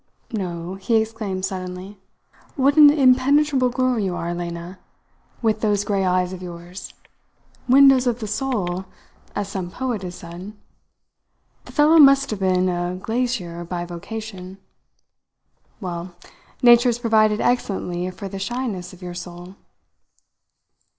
"No," he exclaimed suddenly. "What an impenetrable girl you are Lena, with those grey eyes of yours! Windows of the soul, as some poet has said. The fellow must have been a glazier by vocation. Well, nature has provided excellently for the shyness of your soul."